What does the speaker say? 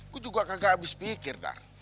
gue juga kagak habis pikir dar